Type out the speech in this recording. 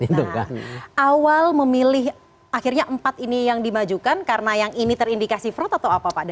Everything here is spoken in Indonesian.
nah awal memilih akhirnya empat ini yang dimajukan karena yang ini terindikasi fraud atau apa pak